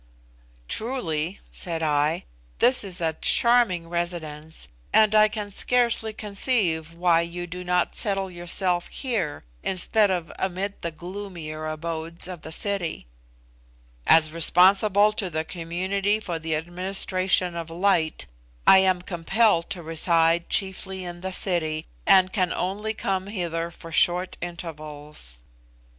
"Truly," said I, "this is a charming residence, and I can scarcely conceive why you do not settle yourself here instead of amid the gloomier abodes of the city." "As responsible to the community for the administration of light, I am compelled to reside chiefly in the city, and can only come hither for short intervals."